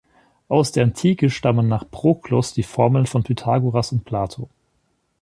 Aus der Antike stammen nach Proklos die Formeln von Pythagoras und Plato.